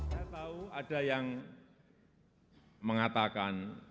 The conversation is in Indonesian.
saya tahu ada yang mengatakan